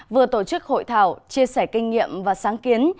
vừa tổ chức hội thảo chia sẻ kinh nghiệm và sáng kiến